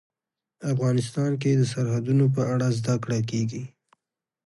افغانستان کې د سرحدونه په اړه زده کړه کېږي.